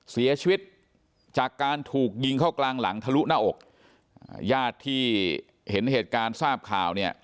เสียชีวิตจากการถูกยิงเข้ากลางหลังทะลุหน้าอกญาติที่เห็นเหตุการณ์ทราบข่าวเนี่ย